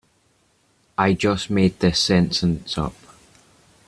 I just made this sentence up.